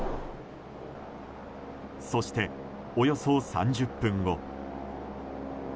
そして、およそ３０分後。